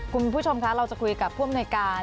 คุณผู้ชมคะเราจะคุยกับภพเงินการ